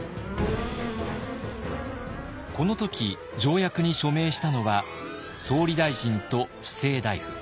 この時条約に署名したのは総理大臣と布政大夫。